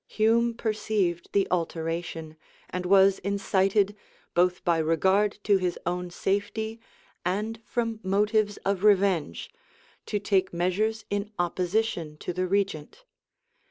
Hume perceived the alteration, and was incited, both by regard to his own safety and from motives of revenge, to take measures in opposition to the regent.